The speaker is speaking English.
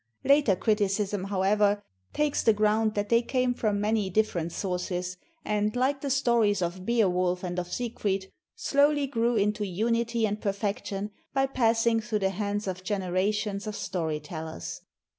Later crit icism, however, takes the ground that they came from many different sources, and, like the stories of Beowulf and of Sieg fried, slowly grew into unity and perfection by passing through the hands of generations of story tellers.